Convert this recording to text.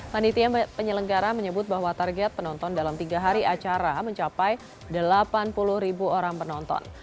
panitia penyelenggara menyebut bahwa target penonton dalam tiga hari acara mencapai delapan puluh ribu orang penonton